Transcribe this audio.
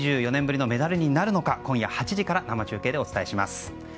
２４年ぶりのメダルになるのか今夜８時から生中継でお伝えします。